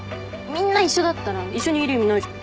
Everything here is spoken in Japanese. みんな一緒だったら一緒にいる意味ないじゃん。